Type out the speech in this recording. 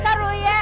dasar lu ya